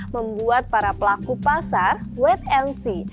membuat para pelaku pasar wait and see